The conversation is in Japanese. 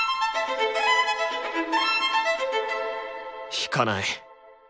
弾かない。